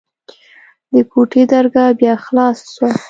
د کوټې درګاه بيا خلاصه سوه.